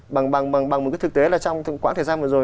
bằng một cái thực tế là trong quãng thời gian vừa rồi